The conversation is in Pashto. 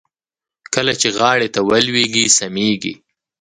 کله چې غاړې ته ولوېږي سميږي.